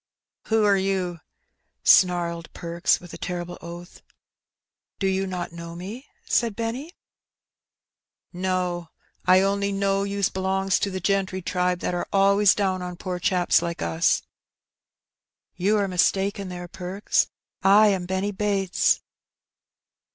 " Who are you ?" snarled Perks with a terrible oath.. " Do you not know me ?'* said Benny. 286 Her Benny. 9i " No ! I only know you belongs to the gentry tribe that are always down on poor chaps like us.' '^ You are mistaken there, Perks ; I am Benny Bates.